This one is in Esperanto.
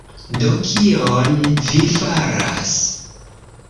Do, kion vi faras?